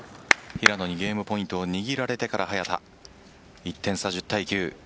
平野にゲームポイントを握られてから早田１点差、１０対９。